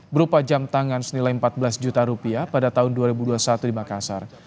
berupa jam tangan senilai empat belas juta rupiah pada tahun dua ribu dua puluh satu di makassar